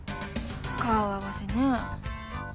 「顔合わせ」ねえ。